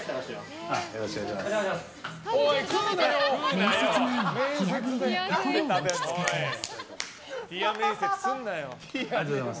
面接前にティア喰いで心を落ち着かせます。